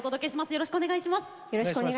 よろしくお願いします。